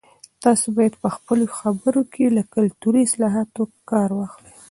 تاسي باید په خپلو خبرو کې له کلتوري اصطلاحاتو کار واخلئ.